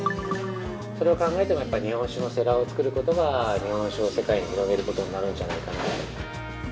それを考えても日本酒のセラーを作ることが日本酒を世界に広げることになるんじゃないかなと。